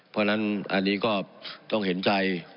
เพราะฉะนั้นอันนี้ก็ต้องเห็นใจ